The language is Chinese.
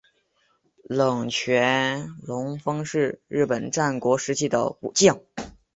冷泉隆丰是日本战国时代的武将。